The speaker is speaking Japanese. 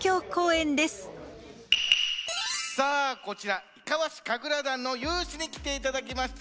さあこちら伊賀和志神楽団の有志に来て頂きました。